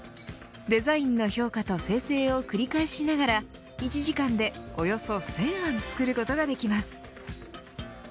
デザインの評価と生成を繰り返しながら１時間でおよそ１０００案作ることができます。